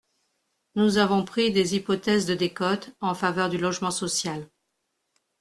Nous avons pris des hypothèses de décote en faveur du logement social.